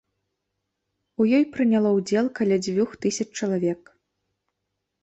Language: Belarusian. У ёй прыняло ўдзел каля дзвюх тысяч чалавек.